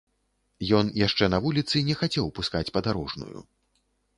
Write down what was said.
Ён яшчэ на вуліцы не хацеў пускаць падарожную.